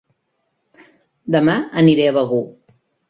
Dema aniré a Begur